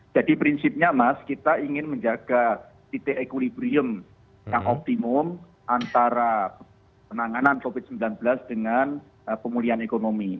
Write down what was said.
jadi prinsipnya mas kita ingin menjaga titik equilibrium yang optimum antara penanganan covid sembilan belas dengan pemulihan ekonomi